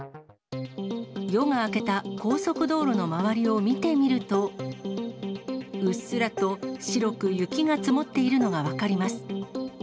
夜が明けた高速道路の周りを見てみると、うっすらと白く雪が積もっているのが分かります。